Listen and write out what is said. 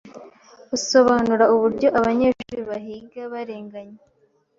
usobanura uburyo abanyeshuri bahiga barenganye